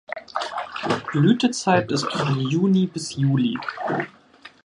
Blütezeit ist von Juni bis Juli.